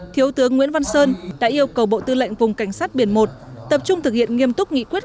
thiếu tướng nguyễn văn sơn đã yêu cầu bộ tư lệnh vùng cảnh sát biển một tập trung thực hiện nghiêm túc nghị quyết